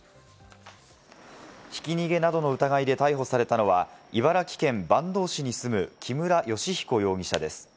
ひき逃げなどの疑いで逮捕されたのは、茨城県坂東市に住む木村良彦容疑者です。